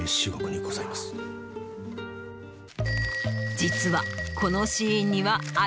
実は。